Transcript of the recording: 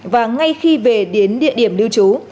và ngay khi về đến địa điểm lưu trú